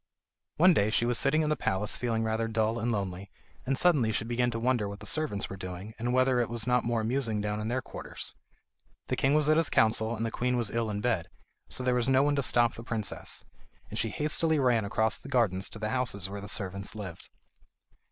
One day she was sitting in the palace feeling rather dull and lonely, and suddenly she began to wonder what the servants were doing, and whether it was not more amusing down in their quarters. The king was at his council and the queen was ill in bed, so there was no one to stop the princess, and she hastily ran across the gardens to the houses where the servants lived.